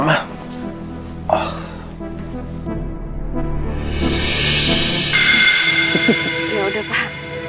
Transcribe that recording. ya udah pak